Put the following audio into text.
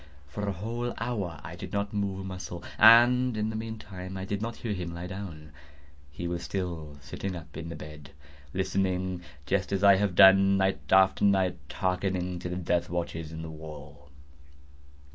For a whole hour I did not move a muscle, and in the meantime I did not hear him lie down. He was still sitting up in the bed listening;—just as I have done, night after night, hearkening to the death watches in the wall.